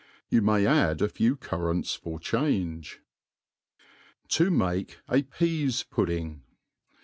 You may add a few currants for . change. ^. To make a PeaS'Pudding.